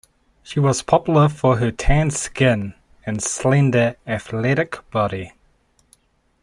She was popular for her tanned skin and slender, athletic body.